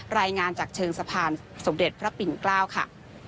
รายงานจากเชิงสะพานสมเด็จพระปิ่นเกล้าค่ะ